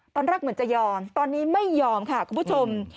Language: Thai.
ตอนแรกเหมือนจะยอมตอนนี้ไม่ยอมค่ะคุณผู้ชม